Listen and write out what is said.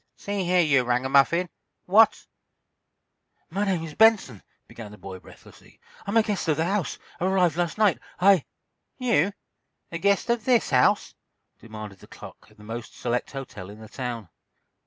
"See here, you ragamuffin, what—" "My name is Benson," began the boy, breathlessly. "I'm a guest of the house—arrived last night. I—" "You, a guest of this house?" demanded the clerk of the most select hotel in the town.